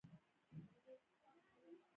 ازادي راډیو د ټرافیکي ستونزې ته پام اړولی.